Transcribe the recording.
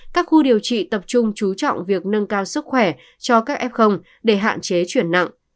các khu điều trị tập trung chú trọng việc nâng cao sức khỏe cho các f để hạn chế chuyển nặng